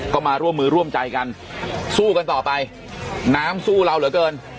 ก็มาร่วมมือร่วมใจกันสู้กันต่อไปน้ำสู้เราเหลือเกิน